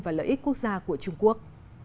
và lợi ích quốc gia của trung quốc